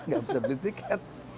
gak bisa beli tiket